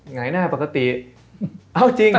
ไหงหน้าปกติเอ้าจริง